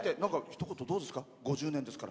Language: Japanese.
ひと言どうですか？